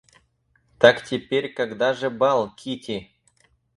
Так теперь когда же бал, Кити?